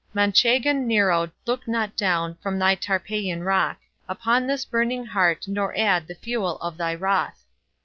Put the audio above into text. Manchegan Nero, look not down From thy Tarpeian Rock Upon this burning heart, nor add The fuel of thy wrath.